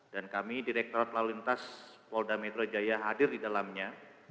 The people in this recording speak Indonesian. dan kami direktorat lalu lintas polda metro jaya hadir di dalamnya